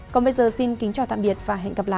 còn bây giờ xin kính chào tạm biệt và hẹn gặp lại